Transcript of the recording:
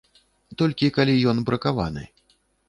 Толькі калі ён бракаваны.